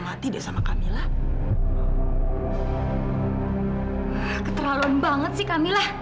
sampai jumpa di video selanjutnya